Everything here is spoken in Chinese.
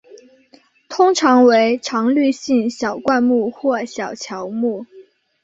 通常为常绿性小灌木或小乔木。